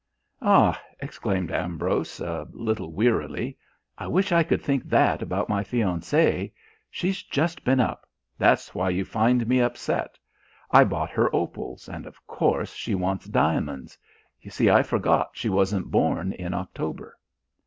"Ah," exclaimed Ambrose, a little wearily, "I wish I could think that about my fiancée. She's just been up that's why you find me upset. I bought her opals, and, of course, she wants diamonds. You see, I forgot she wasn't born in October."